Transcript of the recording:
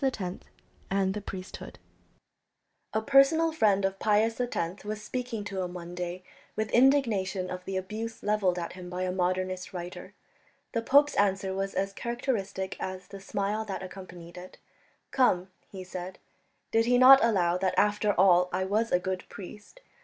X PIUS X AND THE PRIESTHOOD A personal friend of Pius X was speaking to him one day with indignation of the abuse levelled at him by a Modernist writer. The pope's answer was as characteristic as the smile that accompanied it. "Come," he said, "did he not allow that after all I was a good priest?